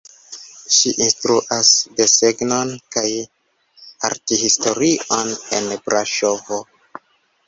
Ŝi instruas desegnon kaj arthistorion en Braŝovo.